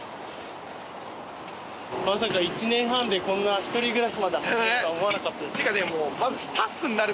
まさか１年半でこんな１人暮らしまで始めるとは思わなかったです。